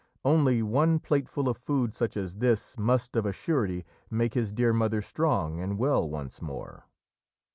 Only one plateful of food such as this must, of a surety, make his dear mother strong and well once more.